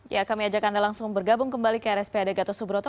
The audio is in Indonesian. ya kami ajak anda langsung bergabung kembali ke rspad gatot subroto